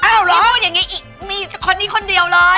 เชฟล็อคแม่พี่บูมีอย่างงี้อีกคนดีคนเดียวเลย